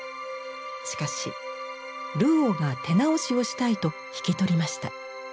しかしルオーが手直しをしたいと引き取りました。